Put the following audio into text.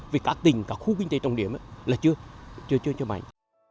với các tỉnh các khu kinh tế trọng điểm là chưa chưa chưa cho mạnh